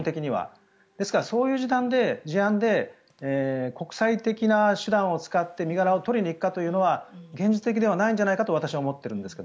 ですからそういう事案で国際的な手段を使って身柄を取りに行くというのは現実的ではないんじゃないかと私は思っているんですが。